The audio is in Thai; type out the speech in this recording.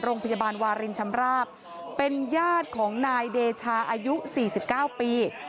โรงพยาบาลวาเรนชำราบเป็นญาติของนายเดชาอายุสี่สิบเก้าปี